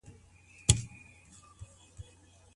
د نفرت پر ځای بايد څه شی سره مقايسه سي؟